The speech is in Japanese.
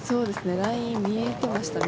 ライン見えてましたね。